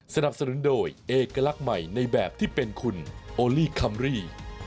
สนับสนุนโดยเอกลักษณ์ใหม่ในแบบที่เป็นคุณโอลี่คัมรี่